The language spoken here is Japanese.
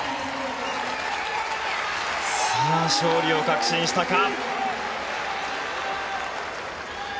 勝利を確信したか。